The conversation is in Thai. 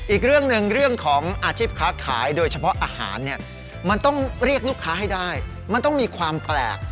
อีกเรื่องหนึ่งเรื่องของอาชีพค้าขายโดยเฉพาะอาหารเนี่ยมันต้องเรียกลูกค้าให้ได้มันต้องมีความแปลก